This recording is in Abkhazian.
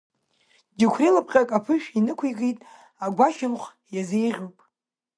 Џьықәреи лапҟьак аԥышә инықәикит, агәашьамх иазеиӷьуп.